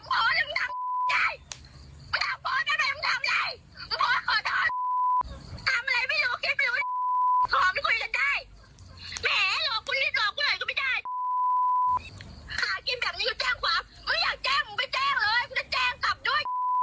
ไม่อยากแจ้งไปแจ้งเลยก็แจ้งกลับด้วย